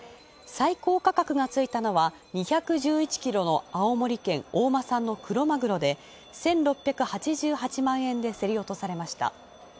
最高価格がついたのは２１１キロの青森県、大間産のクロマグロで、１６８８万円で競り落とされました。